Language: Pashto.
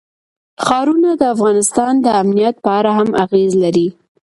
ښارونه د افغانستان د امنیت په اړه هم اغېز لري.